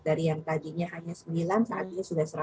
dari yang tadinya hanya sembilan saat ini sudah satu ratus lima belas